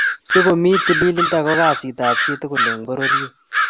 sokomii tililindo ko kasit ab chi tugul eng pororiet.